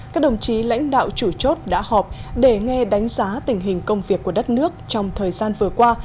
các đồng chí lãnh đạo chủ chốt đã họp để nghe đánh giá tình hình công việc của đất nước trong thời gian vừa qua